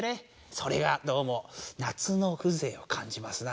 それがどうも夏のふぜいを感じますな。